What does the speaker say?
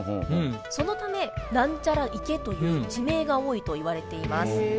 そのためナンチャラ池という地名が多いといわれています。